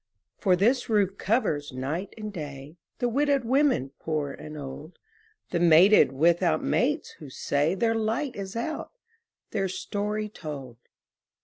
For this roof covers, night and day, The widowed women poor and old, The mated without mates, who say Their light is out, their story told.